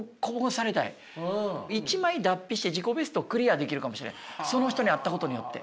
一枚脱皮して自己ベストをクリアできるかもしれないその人に会ったことによって。